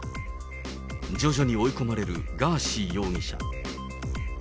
徐々に追い込まれるガーシー容疑者。